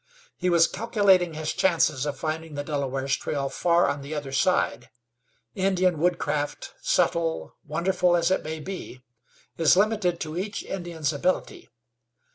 He was calculating his chances of finding the Delaware's trail far on the other side. Indian woodcraft, subtle, wonderful as it may be, is limited to each Indian's ability.